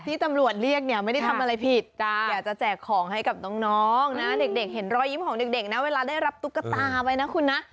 ที่ตำรวจเรียกเนี่ยไม่ได้ทำอะไรผิดอยากจะแจกของให้กับน้องนะเด็กเห็นรอยยิ้มของเด็กนะเวลาได้รับตุ๊กตาไปนะคุณนะ